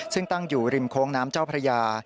ซึ่งตั้งอยู่ริมโค้งน้ำเจ้าพระยา